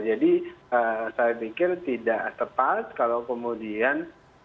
jadi saya pikir tidak tepat kalau kemudian